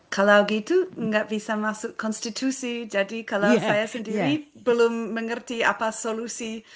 kalau gitu nggak bisa masuk konstitusi jadi kalau saya sendiri belum mengerti apa solusi